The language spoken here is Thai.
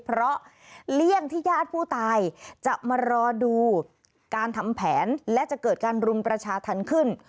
เพราะเลี่ยงที่ญาติผู้ตายจะมารอดูการทำแผนและจะเกิดการรุมประชาธรรมขึ้น